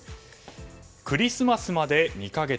クリスマスまで２か月。